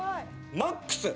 マックス。